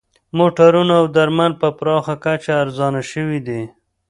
موټرونه او درمل په پراخه کچه ارزانه شوي دي